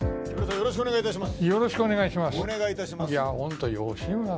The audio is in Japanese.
よろしくお願いします。